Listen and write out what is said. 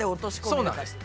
そうなんです。